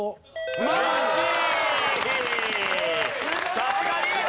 素晴らしい。